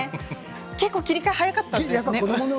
結構切り替え早かったですね。